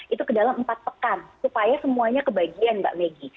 itu ke dalam empat pekan supaya semuanya kebagian mbak megi